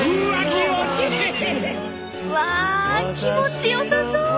うわ気持ちよさそう。